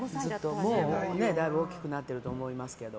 だいぶ大きくなってると思いますけど。